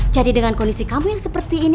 jadi dengan kondisi kamu yang seperti ini